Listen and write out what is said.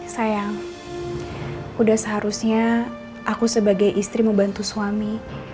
sayang udah seharusnya aku sebagai istri membantu suami